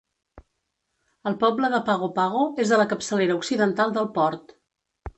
El poble de Pago Pago és a la capçalera occidental del port.